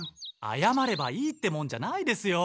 あやまればいいってもんじゃないですよ。